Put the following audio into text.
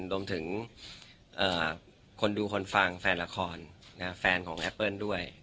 รวมถึงคนดูคนฟังแฟนละครแฟนของแอปเปิ้ลด้วย